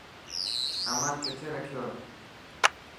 سامان ڪٿي رکيو هي.